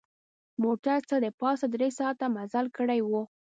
موټر څه د پاسه درې ساعته مزل کړی و.